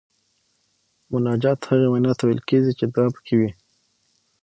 مناجات هغې وینا ته ویل کیږي چې دعا پکې وي.